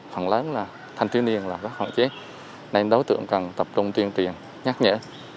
hoạn lớn là thanh tiên niên là hoạn chế nên đối tượng cần tập trung tiên tiền nhắc nhở